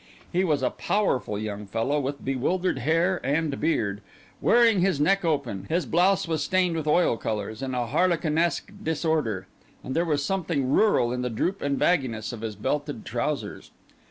He was a powerful young fellow, with bewildered hair and beard, wearing his neck open; his blouse was stained with oil colours in a harlequinesque disorder; and there was something rural in the droop and bagginess of his belted trousers.